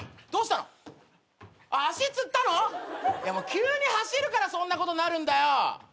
急に走るからそんなことになるんだよ。